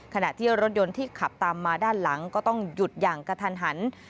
ขณะที่รถยนต์ที่ขับตามมาด้านหลังก็ต้องหยุดอย่างกระทันหัน